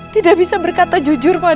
tidak bisa berkata jujur pada